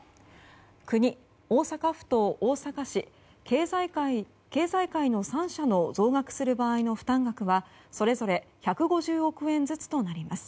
国、大阪府と大阪市、経済界の３者の増額する場合の負担額はそれぞれ１５０億円ずつとなります。